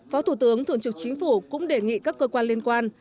phó thủ tướng thường trực chính phủ cũng đề nghị các cơ quan liên quan